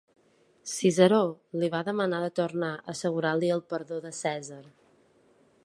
Ciceró li va demanar de tornar assegurant-li el perdó de Cèsar.